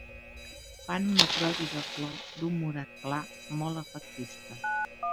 Fan una pròdiga flor d'un morat clar molt efectista.